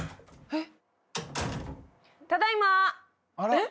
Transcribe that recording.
えっ？